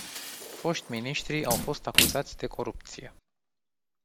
Foști miniștri au fost acuzați de corupție.